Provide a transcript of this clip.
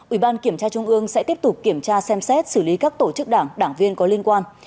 ủy ban kiểm tra trung ương sẽ tiếp tục kiểm tra xem xét xử lý các tổ chức đảng đảng viên có liên quan